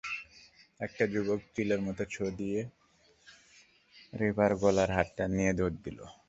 একটা যুবক চিলের মতো ছোঁ দিয়ে রেবার গলার হারটা নিয়ে দৌড় দিল।